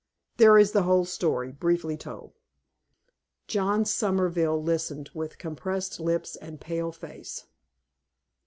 There is the whole story, briefly told." John Somerville listened, with compressed lips and pale face.